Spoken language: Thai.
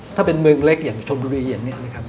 ถ้าเป็นเมืองเล็กอย่างชนดุรีอย่างนี้